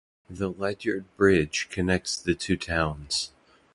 The Ledyard Bridge connects the two towns.